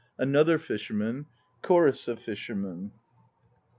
ANOTHER FISHERMAN. CHORUS OF FISHERMEN.